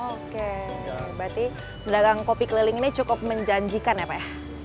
oke berarti pedagang kopi keliling ini cukup menjanjikan ya pak ya